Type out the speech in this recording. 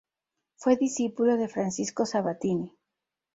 Fue discípulo de Francisco Sabatini.